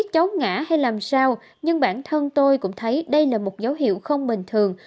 cháu ngã hay làm sao nhưng bản thân tôi cũng thấy đây là một dấu hiệu không bình thường